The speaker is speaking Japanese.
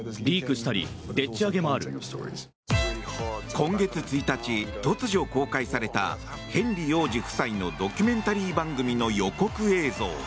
今月１日、突如公開されたヘンリー王子夫妻のドキュメンタリー番組の予告映像。